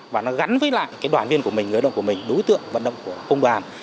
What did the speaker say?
và nó gắn với lại đoàn viên của mình người lao động của mình đối tượng vận động của công đoàn